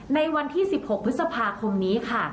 ในวันที่๑๖พฤษภาคมนี้ค่ะ